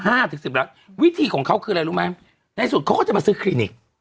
ถึงสิบล้านวิธีของเขาคืออะไรรู้ไหมในสุดเขาก็จะมาซื้อคลินิก